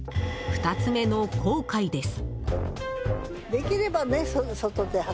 ２つ目の後悔です。